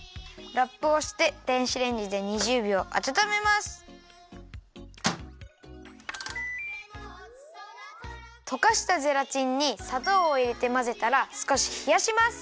ラップをして電子レンジで２０びょうあたためます。とかしたゼラチンにさとうをいれてまぜたら少しひやします。